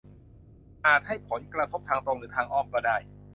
อาจให้ผลกระทบทางตรงหรือทางอ้อมก็ได้